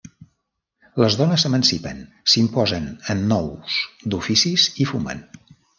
Les dones s'emancipen, s'imposen en nous d'oficis i fumen.